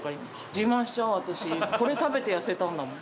自慢しちゃう、私、これ食べて痩せたんだもん。